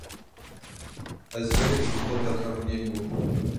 Ez gelekî ji bo te xemgîn bûm.